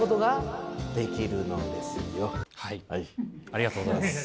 ありがとうございます。